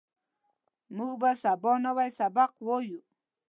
موږ به سبا نوی سبق وایو